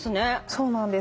そうなんです。